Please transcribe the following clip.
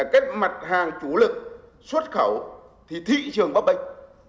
các mặt hàng chủ lực xuất khẩu thì thị trường bấp bệnh